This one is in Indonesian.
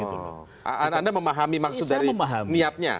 oh anda memahami maksudnya